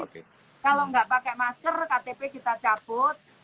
kalau nggak pakai masker ktp kita cabut